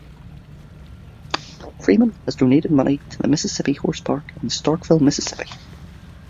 Freeman has donated money to the Mississippi Horse Park in Starkville, Mississippi.